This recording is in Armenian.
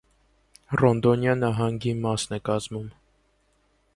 Ռոնդոնիա նահանգի մասն է կազմում։